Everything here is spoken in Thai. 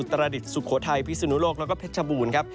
อุตรฎิตสุโขทัยพิสินุโลกและเพชบูรณ์